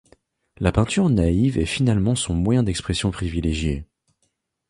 La peinture naïve est finalement son moyen d'expression privilégié.